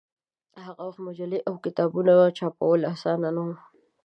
هغه وخت مجلې او کتابونه چاپول اسان نه و.